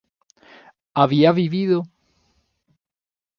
¿había vivido?